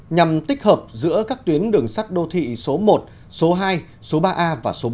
nhằm tích hợp giữa các tuyến đường sắt đô thị số một số hai số ba a và số bốn